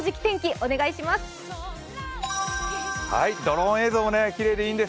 お願いします。